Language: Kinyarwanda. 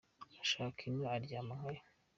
Ushaka inka aryama nkayo.